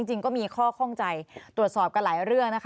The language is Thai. จริงก็มีข้อข้องใจตรวจสอบกันหลายเรื่องนะคะ